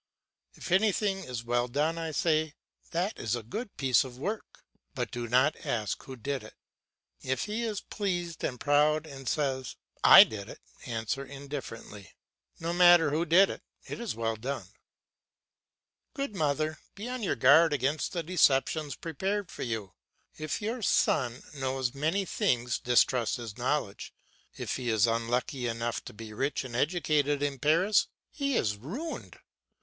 If anything is well done, I say, "That is a good piece of work," but do not ask who did it. If he is pleased and proud and says, "I did it," answer indifferently, "No matter who did it, it is well done." Good mother, be on your guard against the deceptions prepared for you. If your son knows many things, distrust his knowledge; if he is unlucky enough to be rich and educated in Paris he is ruined.